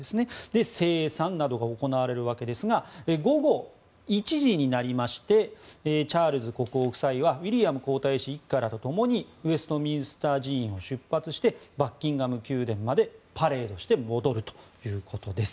で、聖餐などが行われるんですが午後１時になりましてチャールズ国王夫妻はウィリアム皇太子一家らと共にウェストミンスター寺院を出発してバッキンガム宮殿までパレードして戻るということです。